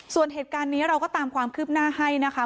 ส่วนเหตุการณ์นี้เราก็ตามความคืบหน้าให้นะคะ